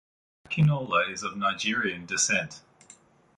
Akinola is of Nigerian descent.